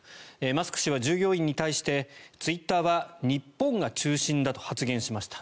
マスク氏は従業員に対してツイッターは日本が中心だと発言しました。